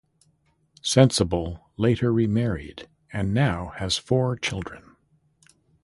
Sensible later remarried and now has four children.